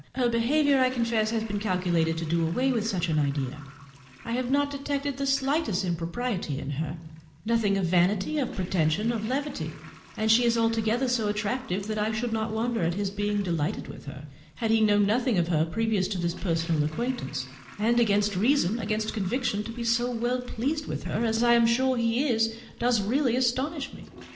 Her behaviour, I confess, has been calculated to do away with such an idea; I have not detected the smallest impropriety in it—nothing of vanity, of pretension, of levity; and she is altogether so attractive that I should not wonder at his being delighted with her, had he known nothing of her previous to this personal acquaintance; but, against reason, against conviction, to be so well pleased with her, as I am sure he is, does really astonish me.